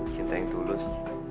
cinta yang tulus